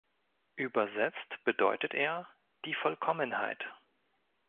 Übersetzt bedeutet er „Die Vollkommenheit“.